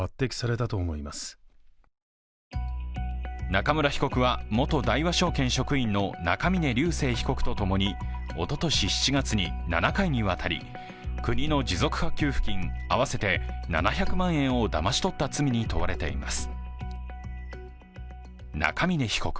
中村被告は、元大和証券職員の中峯竜晟被告と共におととし７月に、７回にわたり国の持続化給付金合わせて７００万円をだまし取った罪に問われています。